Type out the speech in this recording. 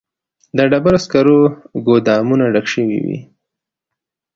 د ډبرو سکرو ګودامونه ډک شوي وي